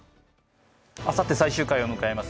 あさって最終回を迎えます